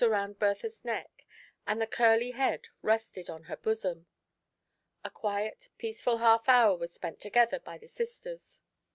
83 around Bertha's neck, and the curly head rested on her bosom. A quiet, peaceful half hour was spent tt^ther by the sisters.